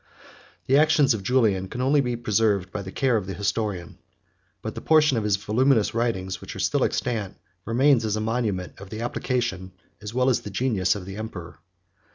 The actions of Julian can only be preserved by the care of the historian; but the portion of his voluminous writings, which is still extant, remains as a monument of the application, as well as of the genius, of the emperor.